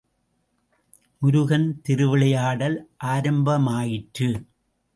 முருகன் திருவிளையாடல் ஆரம்பமாயிற்று.